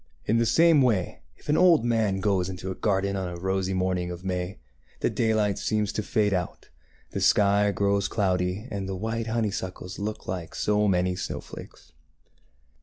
In the same way, if an old man goes into a garden on a rosy morning of May, the daylight seems to fade out, the sky grows cloudy, and the white honeysuckles look like so many snowflakes.